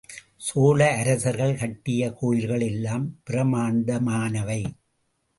சோழ அரசர்கள் கட்டிய கோயில்கள் எல்லாம் பிரமாண்டமானவை.